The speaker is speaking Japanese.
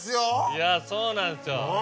いやそうなんですよ。何？